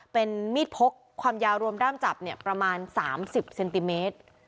เป็นมีดพกความยาวรวมด้ามจับเนี่ยประมาณ๓๐เซนติเมตร